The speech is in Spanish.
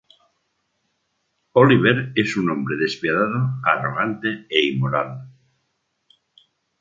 Oliver es un hombre despiadado, arrogante e inmoral.